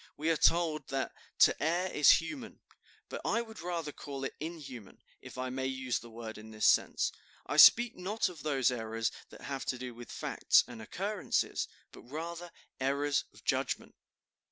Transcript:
We are told that 'to err is human,' but I would rather call it inhuman, if I may use the word in this sense. I speak not of those errors that have to do with facts and occurrences, but rather, errors of judgment."